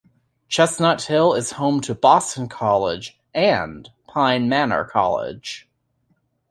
Chestnut Hill is home to Boston College and Pine Manor College.